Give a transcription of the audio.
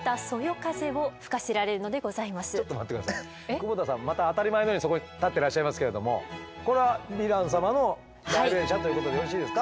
久保田さんまた当たり前のようにそこに立ってらっしゃいますけれどもこれはヴィラン様の代弁者ということでよろしいですか？